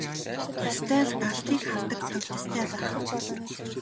Ёстой л далдыг хардаг увдистай байх.